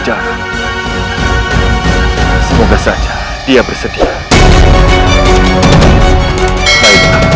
jangan jangan dia bersedia